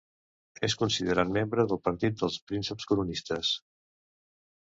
És considerat membre del partit dels prínceps coronistes.